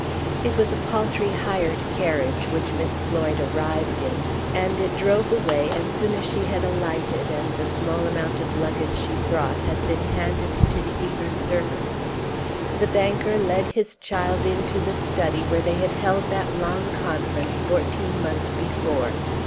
It was a paltry hired carriage which Miss Floyd arrived in, and it drove away as soon as she had alighted, and the small amount of luggage she brought had been handed to the eager servants. The banker led his child into the study, where they had held that long conference fourteen months before.